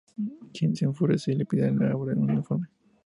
Jim se enfurece y le pide que elabore un informe.